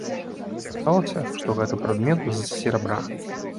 Аказалася, што гэта прадмет з серабра.